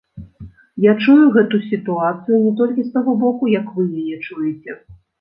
Я чую гэту сітуацыю не толькі з таго боку, як вы яе чуеце.